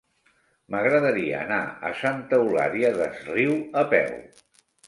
M'agradaria anar a Santa Eulària des Riu a peu.